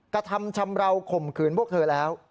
กระทำชำราวข่มขืนพวกเธอแล้ว